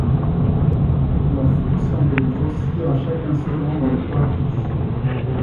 La foule semblait grossir à chaque instant dans le Parvis.